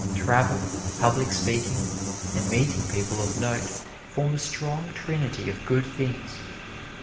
Travel, public speaking and meeting people of note form a strong trinity of good things.